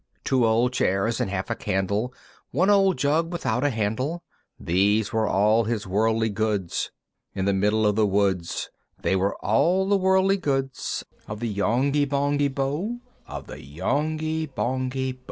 Two old chairs, and half a candle, One old jug without a handle, These were all his worldly goods: In the middle of the woods, These were all the worldly goods Of the Yonghy Bonghy Bò, Of the Yonghy Bonghy Bò.